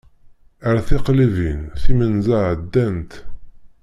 Ar tiqlibin, timenza ɛeddant!